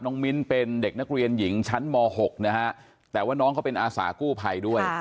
มิ้นเป็นเด็กนักเรียนหญิงชั้นม๖นะฮะแต่ว่าน้องเขาเป็นอาสากู้ภัยด้วย